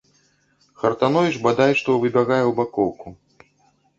Хартановіч бадай што выбягае ў бакоўку.